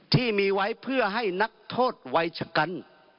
ที่มีไว้เพื่อให้นักโทษวัยชะกัน